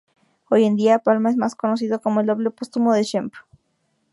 Hoy en día, Palma es más conocido como el doble póstumo de Shemp.